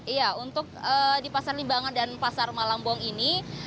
iya untuk di pasar limbangan dan pasar malambong ini